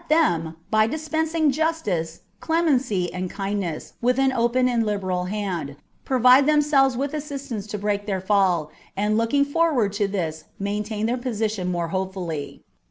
273 them then, by dispensing justice, clemency, and kindness Ysdth an open and liberal hand, provide themselves with assistance to break their fall, and looking forward to this maintain their position more hopefully.